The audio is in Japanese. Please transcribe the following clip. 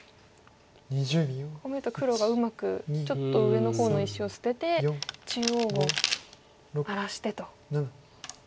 こう見ると黒がうまくちょっと上の方の石を捨てて中央を荒らしてと。